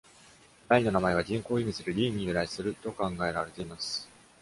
ライの名前は、銀行を意味する「リー」に由来すると考えられています。